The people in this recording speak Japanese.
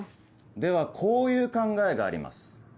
ではこういう考えがあります。